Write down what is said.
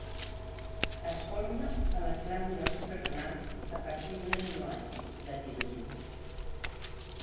Es forma a les glàndules suprarenals a partir d’un aminoàcid, la tirosina.